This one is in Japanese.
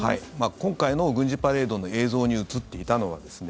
今回の軍事パレードの映像に映っていたのはですね